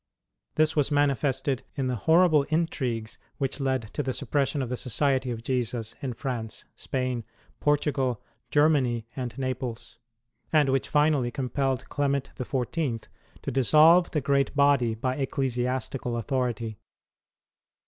This was manifested m the horrible intrigues wliich led to the suppression of the Society of Jesus in France, Spain, Portugal, Germany, and Naples ; and which finally compelled Clement XIV. to dissolve the great body by ecclesiastical authority.